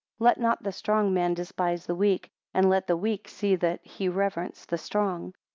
34 Let not the strong man despise the weak; and let the weak see that he reverence the strong.